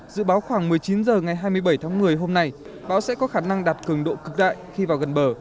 dự báo khoảng một mươi chín h ngày hai mươi bảy tháng một mươi hôm nay bão sẽ có khả năng đạt cường độ cực đại khi vào gần bờ